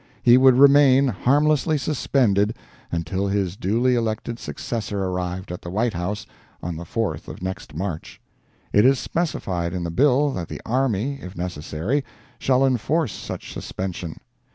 He would remain harmlessly suspended until his duly elected successor arrived at the White House on the 4th of next March. It is specified in the bill that the army, if necessary, shall enforce such suspension.